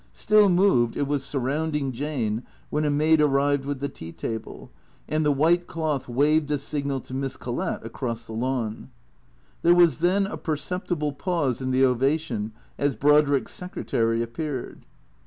Still moved, it was surrounding Jane when a maid arrived with the tea table, and the white cloth waved a signal to Miss Collett across the lawn. There was then a perceptible pause in the ovation as Brodrick's secretary appeared.